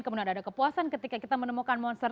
kemudian ada kepuasan ketika kita menemukan monster